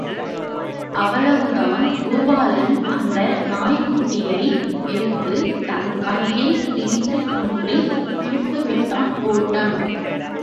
அவ்வளவுதான், பூபாலன் அந்த நாய்க் குட்டியைக் எடுத்துத் தன் பையில் திணித்துக் கொண்டு பிடித்துவிட்டான் ஒட்டம்!